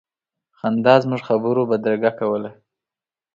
خندا زموږ خبرو بدرګه کوله.